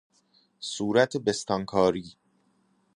صورت بستانکاری